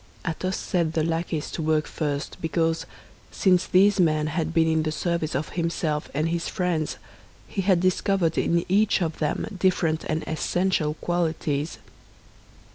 Athos set the lackeys to work first because, since these men had been in the service of himself and his friends he had discovered in each of them different and essential qualities.